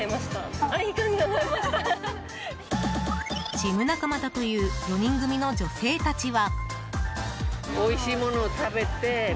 ジム仲間だという４人組の女性たちは。